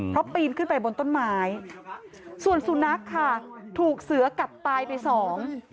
เพราะปีนขึ้นไปบนต้นไม้ส่วนสุนัขค่ะถูกเสือกัดตายไปสอง